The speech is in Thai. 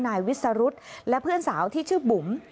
นายวิสรุธและเพื่อนสาวที่ชื่อบุ๋ม